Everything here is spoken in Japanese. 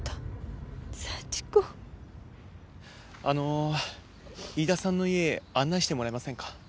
あの飯田さんの家へ案内してもらえませんか？